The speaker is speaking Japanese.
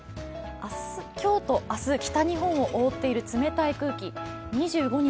今日と明日、北日本を覆っている冷たい空気２５日